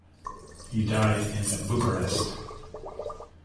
He died in Bucharest.